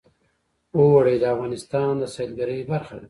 اوړي د افغانستان د سیلګرۍ برخه ده.